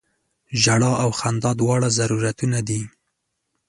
ژړا او خندا دواړه ضرورتونه دي.